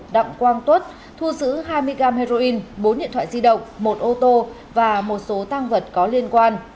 đặng quang tuất thu giữ hai mươi gam heroin bốn điện thoại di động một ô tô và một số tăng vật có liên quan